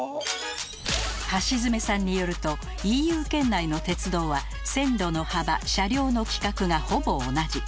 橋爪さんによると ＥＵ 圏内の鉄道は線路の幅車両の規格がほぼ同じ